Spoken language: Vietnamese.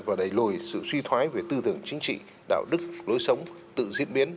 và đẩy lùi sự suy thoái về tư tưởng chính trị đạo đức lối sống tự diễn biến